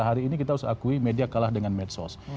hari ini kita harus akui media kalah dengan medsos